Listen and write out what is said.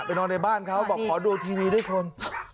นอนในบ้านเขาบอกขอดูทีวีด้วยคน